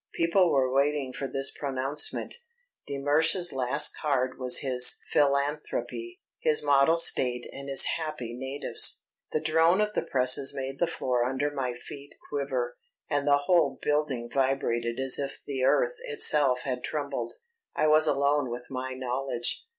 People were waiting for this pronouncement. De Mersch's last card was his philanthropy; his model state and his happy natives. The drone of the presses made the floor under my feet quiver, and the whole building vibrated as if the earth itself had trembled. I was alone with my knowledge.